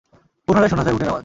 পুনরায় শোনা যায় উটের আওয়াজ।